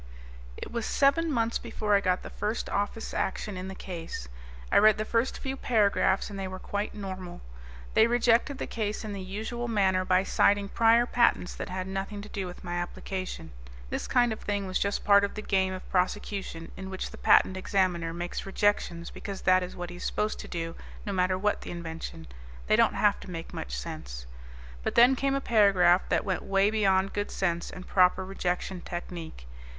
It was seven months before I got the first Office Action in the Case. I read the first few paragraphs and they were quite normal. They rejected the Case in the usual manner by citing prior patents that had nothing to do with my application. This kind of thing was just part of the game of prosecution in which the Patent Examiner makes rejections because that is what he is supposed to do no matter what the invention; they don't have to make much sense. But then came a paragraph that went way beyond good sense and proper rejection technique.